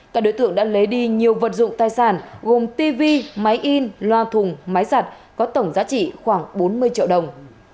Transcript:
các đối tượng đã lấy đi nhiều vật dụng tài sản gồm tv máy in loa thùng máy giặt có tổng giá trị khoảng bốn mươi triệu đồng